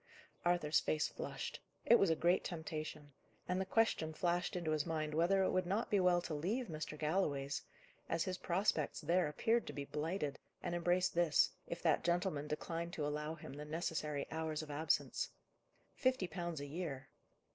Arthur's face flushed. It was a great temptation: and the question flashed into his mind whether it would not be well to leave Mr. Galloway's, as his prospects there appeared to be blighted, and embrace this, if that gentleman declined to allow him the necessary hours of absence. Fifty pounds a year!